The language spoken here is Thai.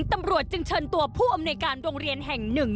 ตำรวจจึงเชิญตัวผู้อำนวยการโรงเรียนแห่งหนึ่ง